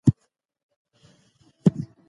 د دولت د پاملرنې پرته د کوچیانو ژوند سخت دی.